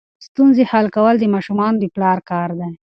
ستونزې حل کول د ماشومانو د پلار کار دی.